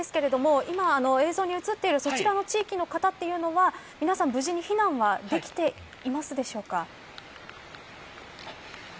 今、映像に映っているそちらの地域の方は皆さんに無事に避難はできていますでしょうか。